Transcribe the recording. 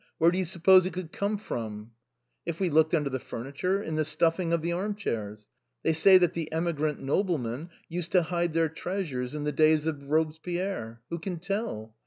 Where do you suppose it could come from ?'" If we looked under the furniture ; in the stuffing of the arm chairs? They say that the emigrant noblemen used to hide their treasures in the days of Robespierre. Who can tell?